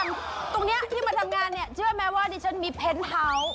อย่างตรงนี้ที่มาทำงานเชื่อไหมว่านี่ฉันมีเพ้นท์เฮาส์